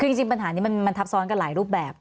คือจริงปัญหานี้มันทับซ้อนกันหลายรูปแบบ